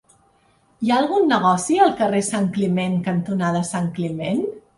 Hi ha algun negoci al carrer Santcliment cantonada Santcliment?